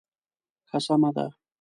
ښه سمه ده.